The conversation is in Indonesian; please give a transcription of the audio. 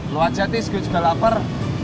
lu aja naku juga lapar